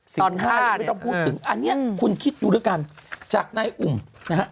ห้าเลยไม่ต้องพูดถึงอันนี้คุณคิดดูด้วยกันจากนายอุ่มนะฮะ